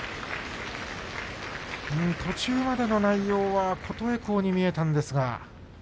途中までの内容は琴恵光に見えたんですが。